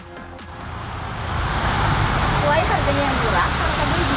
selain harganya yang murah perkembang juga tidak perlu menjualan kompos untuk sebuah online